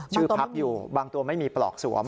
พักอยู่บางตัวไม่มีปลอกสวม